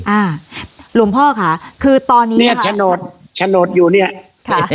อ่าหลวงพ่อค่ะคือตอนนี้เนี่ยโฉนดโฉนดอยู่เนี่ยค่ะ